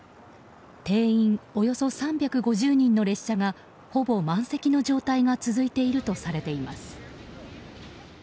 定員およそ３５０人の列車がほぼ満席の状態が続いているとされています。